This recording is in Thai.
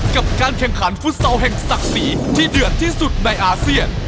กับการแข่งขันฟุตซอลแห่งศักดิ์ศรีที่เดือดที่สุดในอาเซียน